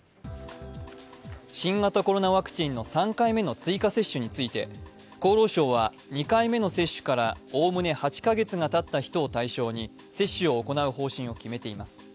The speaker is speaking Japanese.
新型コロナワクチンの３回目の追加接種について厚労省は２回目の接種からおおむね８カ月がたった人を対象に接種を行う方針を決めています。